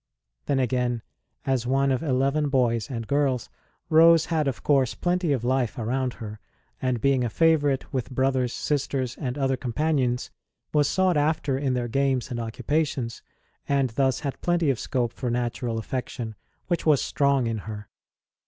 Then, again, as one of eleven boys and girls, Rose had of course plenty of life around her; and being a favourite with brothers, sisters, and other companions, was sought after in their games and occupations, and thus had plenty of scope for natural affection, which was strong in her.